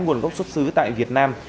nguồn gốc xuất xứ tại việt nam